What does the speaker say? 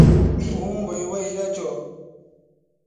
umbo icbuedida cho?